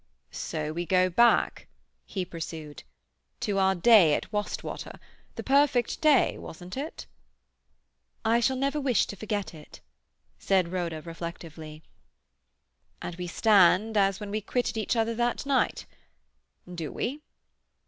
"So we go back," he pursued, "to our day at Wastwater. The perfect day—wasn't it?" "I shall never wish to forget it," said Rhoda reflectively. "And we stand as when we quitted each other that night—do we?"